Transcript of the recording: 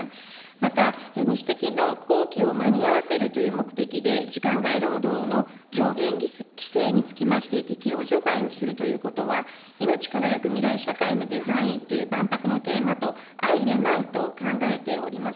またご指摘の工期を間に合わせるという目的で時間外労働の上限規制につきまして、適用除外をするということは、いのち輝く未来社会のデザインという万博のテーマと相いれないと考えております。